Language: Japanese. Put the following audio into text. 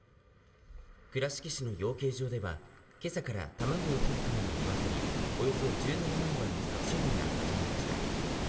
倉敷市の養鶏場では今朝から卵を取るための鶏、およそ１７万羽の殺処分が始まりました。